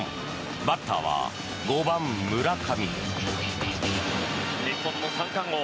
バッターは５番、村上。